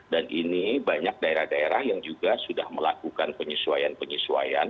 dan ini banyak daerah daerah yang juga sudah melakukan penyesuaian penyesuaian